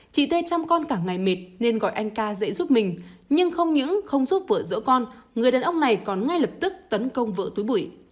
chị t a t chăm con cả ngày mệt nên gọi anh k a t dễ giúp mình nhưng không những không giúp vỡ rỡ con người đàn ông này còn ngay lập tức tấn công vỡ túi bụi